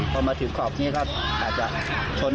พอมาถึงขอบเนี่ยก็อาจจะชนจากข้างบน